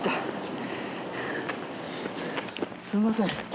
すみません。